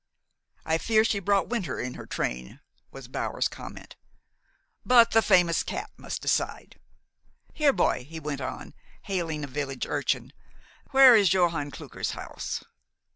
"I fear she brought winter in her train," was Bower's comment. "But the famous cat must decide. Here, boy," he went on, hailing a village urchin, "where is Johann Klucker's house?"